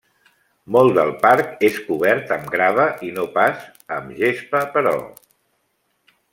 Molt del parc és cobert amb grava i no pas amb gespa, però.